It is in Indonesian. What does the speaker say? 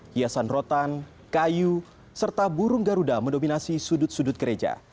hiasan rotan kayu serta burung garuda mendominasi sudut sudut gereja